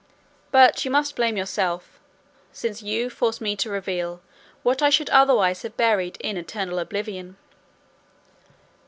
But you must blame yourself, since you force me to reveal what I should otherwise have buried in eternal Oblivion."